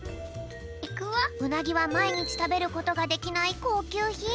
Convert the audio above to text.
うなぎはまいにちたべることができないこうきゅうひん。